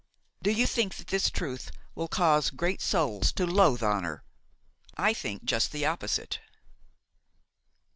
Do you think that this truth will cause great souls to loathe honor? I think just the opposite.